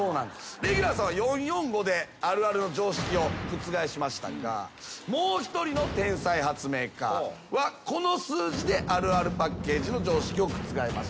レギュラーさんは４・４・５であるあるの常識を覆しましたがもう１人の天才発明家はこの数字であるあるパッケージの常識を覆しました。